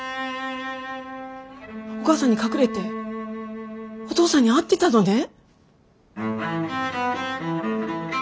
お母さんに隠れてお父さんに会ってたのね？